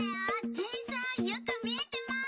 ジェイさんよくみえてます！」。